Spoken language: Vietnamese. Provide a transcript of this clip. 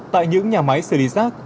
tại những nhà máy xử lý rác